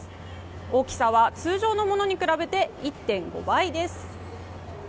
大きさは通常のものに比べて１．５倍です。